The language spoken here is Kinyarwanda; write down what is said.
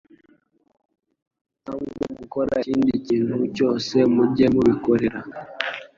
cyangwa gukora ikindi kintu cyose, mujye mubikorera